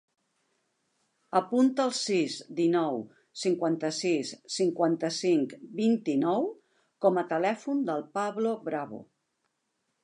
Apunta el sis, dinou, cinquanta-sis, cinquanta-cinc, vint-i-nou com a telèfon del Pablo Bravo.